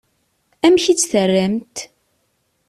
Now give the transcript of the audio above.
Amek i tt-terramt?